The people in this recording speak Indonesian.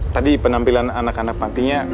tadi penampilan anak anak pantinya